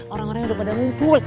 orang orangnya udah pada ngumpul